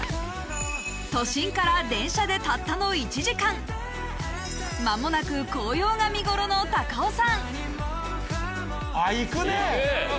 都心から電車でたったの１時間間もなく紅葉が見頃の高尾山行くね！